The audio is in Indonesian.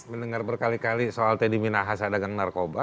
mendengar berkali kali soal teddy minahasa dagang narkoba